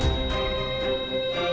kamu juga harus kuat